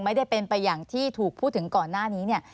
ไม่ได้เป็นไปอย่างที่ถูกพูดถึงก่อนหน้านี้เนี่ย